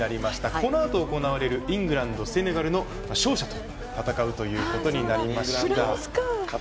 このあと行われるイングランドとセネガルの勝者と戦うことになりました。